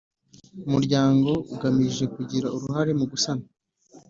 Umuryango ugamije kugira uruhare mu gusana